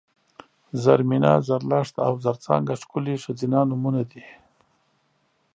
زرمېنه ، زرلښته او زرڅانګه ښکلي ښځینه نومونه دي